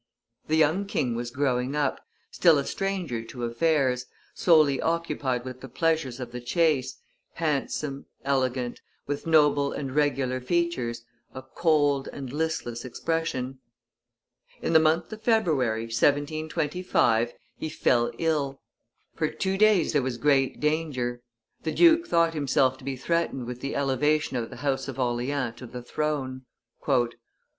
The young king was growing up, still a stranger to affairs, solely occupied with the pleasures of the chase, handsome, elegant, with noble and regular features, a cold and listless expression. In the month of February, 1725, he fell ill; for two days there was great danger. The duke thought himself to be threatened with the elevation of the house of Orleans to the throne.